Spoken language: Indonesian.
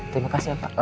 terima kasih ya pak